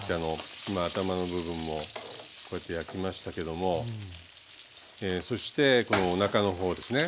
今頭の部分もこうやって焼きましたけどもそしてこのおなかの方ですね。